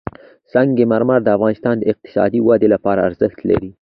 سنگ مرمر د افغانستان د اقتصادي ودې لپاره ارزښت لري.